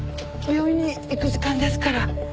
病院に行く時間ですから。